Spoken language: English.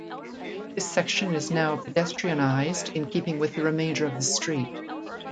This section is now pedestrianised in keeping with the remainder of the street.